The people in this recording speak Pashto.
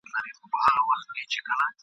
بيا به دا آسمان شاهد وي !.